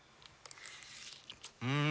うん！